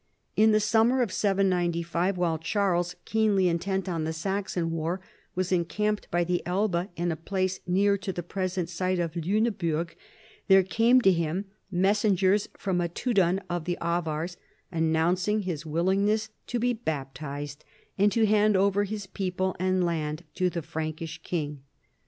In the summer of 795, while Charles, keenly intent on the Saxon war, was en camped by the Elbe in a place near to the present site of Liineburg, there came to him messengers from a tudun of the Avars announcino his willing ness to be baptized and to hand over his people and land to the Frankish king.